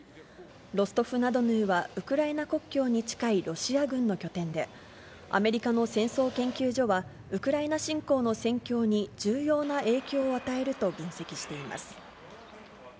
ロストフナドヌーは、ウクライナ国境に近いロシア軍の拠点で、アメリカの戦争研究所は、ウクライナ侵攻の戦況に重要な影響を与えると分析しています。